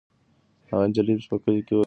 هغه نجلۍ چې په کلي کې اوسیږي ډېره باادبه ده.